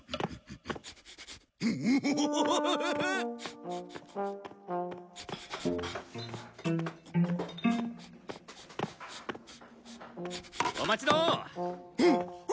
おお！お待ちどお。